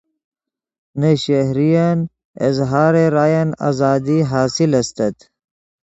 نے شہرین اظہارِ راین آزادی حاصل استت